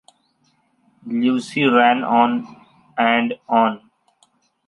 Lucie ran on, and on.